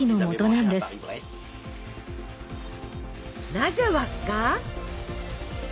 なぜ輪っか？